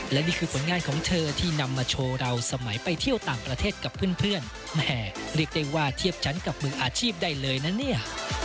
และนี่คือผลงานของเธอที่นำมาโชว์เราสมัยไปเที่ยวต่างประเทศกับเพื่อนแหมเรียกได้ว่าเทียบชั้นกับมืออาชีพได้เลยนะเนี่ย